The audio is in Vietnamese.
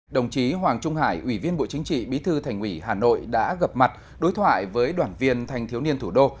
đồng chí hoàng trung hải ủy viên bộ chính trị bí thư thành ủy hà nội đã gặp mặt đối thoại với đoàn viên thanh thiếu niên thủ đô